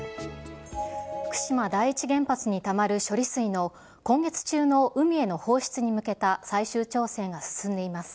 福島第一原発にたまる処理水の今月中の海への放出に向けた最終調整が進んでいます。